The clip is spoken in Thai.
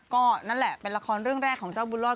ก็นั่นแหละเป็นละครเรื่องแรกของเจ้าบุญรอด